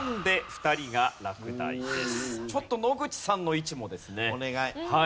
ちょっと野口さんの位置もですね